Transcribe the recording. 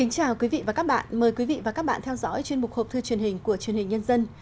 chào mừng quý vị đến với bộ phim học thư truyền hình của chuyên hình nhân dân